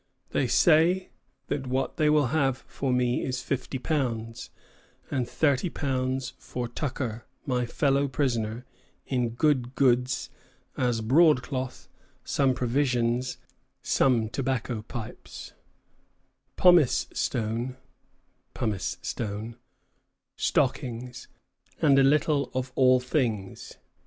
They say that what they will have for me is 50 pounds, and thirty pounds for Tucker, my fellow prisoner, in good goods, as broadcloth, some provisions, some tobacco pipes, Pomisstone [pumice stone], stockings, and a little of all things.